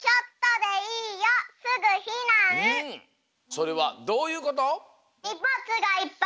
それはどういうこと？